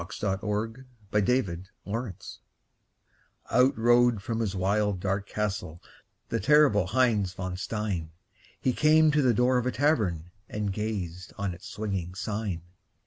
_ THE LEGEND OF HEINZ VON STEIN Out rode from his wild, dark castle The terrible Heinz von Stein; He came to the door of a tavern And gazed on its swinging sign.